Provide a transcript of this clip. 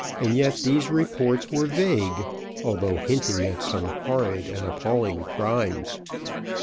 Yet these reports were vague, although hinting at some horrid and appalling crimes.